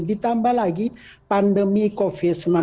ditambah lagi pandemi covid sembilan belas